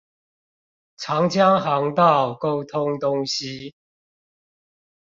長江航道溝通東西